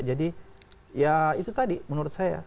ya itu tadi menurut saya